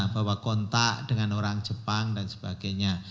bahwa kontak dengan orang jepang dan sebagainya